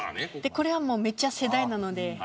これはもうめっちゃ世代なので。